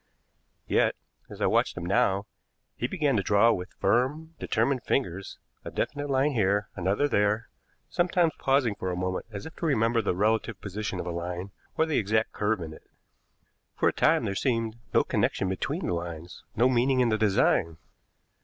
Yet, as I watched him now, he began to draw with firm, determined fingers a definite line here, another there, sometimes pausing for a moment as if to remember the relative position of a line or the exact curve in it. For a time there seemed no connection between the lines, no meaning in the design.